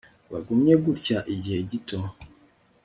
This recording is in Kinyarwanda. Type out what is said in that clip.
Bagumye gutya igihe gito